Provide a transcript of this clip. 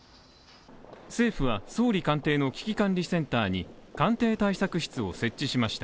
政府は総理官邸の危機管理センターに官邸対策室を設置しました。